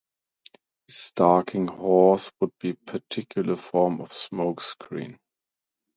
A stalking horse would be a particular form of smoke screen.